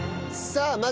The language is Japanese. さあ